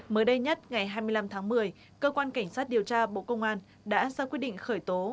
mới đây nhất ngày hai mươi năm tháng một mươi cơ quan cảnh sát điều tra bộ công an đã ra quyết định khởi tố